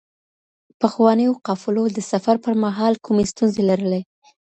پخوانیو قافلو د سفر پر مهال کومي ستونزي لرلې؟